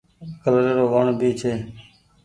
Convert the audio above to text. ڪلري رو وڻ ڀي ڇي۔